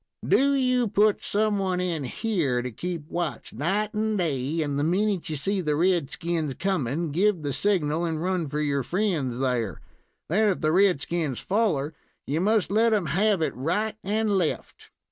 "Do you put some one in here to keep watch night and day, and the minute you see the redskins comin' give the signal and run for your friends there. Then if the red skins foller, you must let 'em have it right and left.